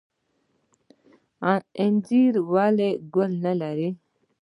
انځر ولې ګل نلري؟